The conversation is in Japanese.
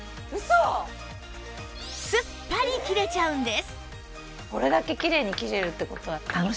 すっぱり切れちゃうんです